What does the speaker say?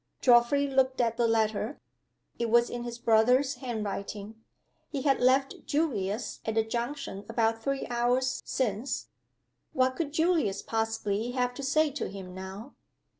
Geoffrey looked at the letter. It was in his brother's handwriting. He had left Julius at the junction about three hours since. What could Julius possibly have to say to him now?